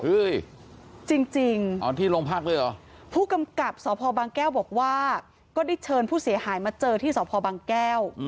จริงจริงอ๋อที่โรงพักเลยเหรอผู้กำกับสพบางแก้วบอกว่าก็ได้เชิญผู้เสียหายมาเจอที่สพบางแก้ว